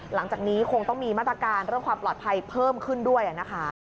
หลังจากนี้คงต้องมีมาตรการเรื่องความปลอดภัยเพิ่มขึ้นด้วยนะคะ